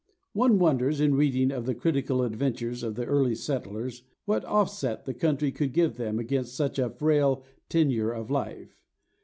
One wonders, in reading of the critical adventures of the early settlers, what offset the country could give them against such a frail tenure of life.